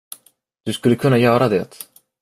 Du skulle kunna göra det.